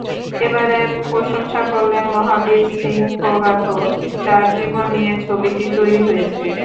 এবারে প্রশংসা করলেন মহাবীর সিং ফোগাতও, যার জীবন নিয়ে ছবিটি তৈরি হয়েছে।